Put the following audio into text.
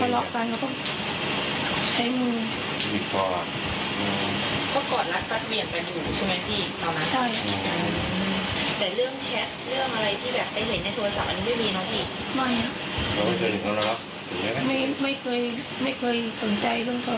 ไม่เคยไม่เคยสนใจเรื่องป่าวส่วนเขา